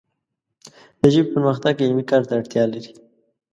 د ژبې پرمختګ علمي کار ته اړتیا لري